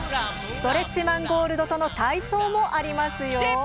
ストレッチマン・ゴールドとの体操もありますよ。